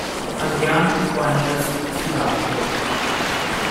Adrián Fuentes Fidalgo